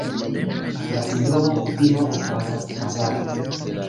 La sindromo kutime okazas hazarde.